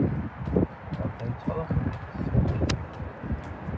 გარდაიცვალა მეტეხის ციხეში.